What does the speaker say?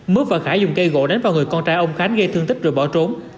mướp và khải dùng cây gỗ đánh vào người con trai ông khánh gây thương tích rồi bỏ trốn